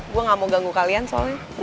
gue gak mau ganggu kalian soalnya